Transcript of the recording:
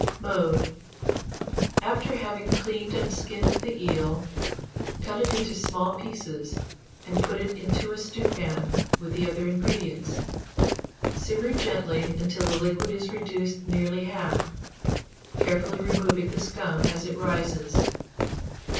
Mode. After having cleaned and skinned the eel, cut it into small pieces, and put it into a stewpan, with the other ingredients; simmer gently until the liquid is reduced nearly half, carefully removing the scum as it rises.